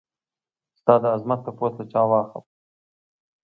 ستا دعظمت تپوس له چا واخلم؟